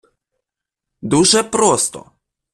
Дуже просто!